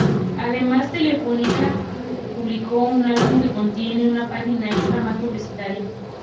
Además, Telefónica publicó un álbum que contiene una página extra más publicitaria.